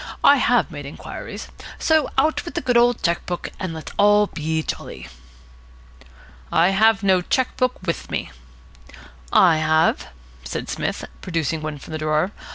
I have made inquiries. So out with the good old cheque book, and let's all be jolly." "I have no cheque book with me." "I have," said Psmith, producing one from a drawer.